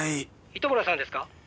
「糸村さんですか？」